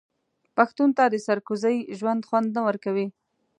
پښتون ته د سرکوزۍ ژوند خوند نه ورکوي.